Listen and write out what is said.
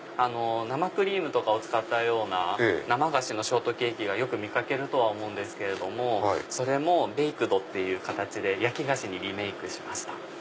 生クリームとかを使ったような生菓子のショートケーキはよく見掛けるとは思うんですけどそれもベイクドっていう形で焼き菓子にリメイクしました。